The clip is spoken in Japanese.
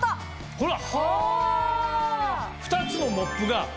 ほら。